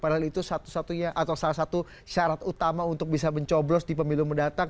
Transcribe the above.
padahal itu satu satunya atau salah satu syarat utama untuk bisa mencoblos di pemilu mendatang